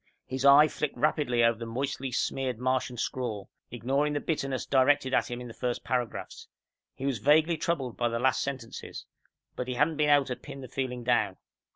His eye flicked rapidly over the moistly smeared Martian scrawl, ignoring the bitterness directed at him in the first paragraphs. He was vaguely troubled by the last sentences. But he hadn't been able to pin the feeling down.